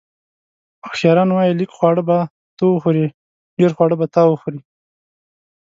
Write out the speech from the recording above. اوښیاران وایي: لږ خواړه به ته وخورې، ډېر خواړه به تا وخوري.